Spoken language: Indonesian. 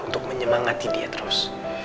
untuk menyemangati dia terus